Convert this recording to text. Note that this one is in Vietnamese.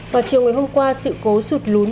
vào chiều ngày hôm qua sự cố sụt lún